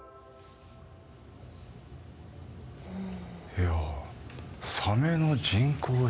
いやあサメの人工子宮